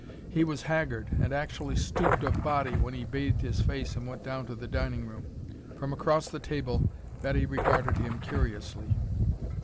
He was haggard and actually stooped of body when he bathed his face and went down to the dining room. From across the table Betty regarded him curiously.